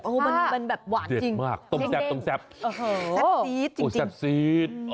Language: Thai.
โอ้มันแบบหวานจริงแดดมากต้มแซ่บแซ่บซีท